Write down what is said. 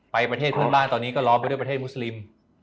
ประเทศเพื่อนบ้านตอนนี้ก็ล้อมไปด้วยประเทศมุสลิม